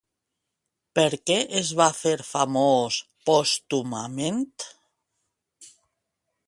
Per què es va fer famós pòstumament?